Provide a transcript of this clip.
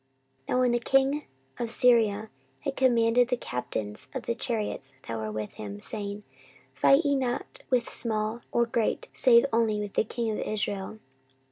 14:018:030 Now the king of Syria had commanded the captains of the chariots that were with him, saying, Fight ye not with small or great, save only with the king of Israel.